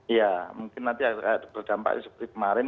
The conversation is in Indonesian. iya mungkin nanti ada berdampaknya seperti kemarin